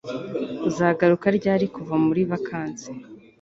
Uzagaruka ryari kuva muri vacance